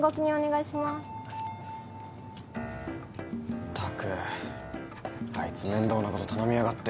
ったくあいつ面倒なこと頼みやがって。